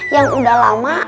yang udah lama